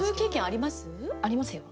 ありますよ。